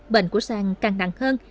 bệnh của sang càng nặng hơn